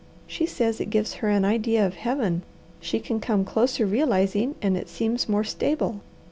She says it gives her an idea of Heaven she can come closer realizing and it seems more stable.